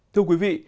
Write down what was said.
thưa quý vị